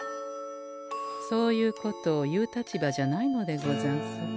そういうことを言う立場じゃないのでござんす。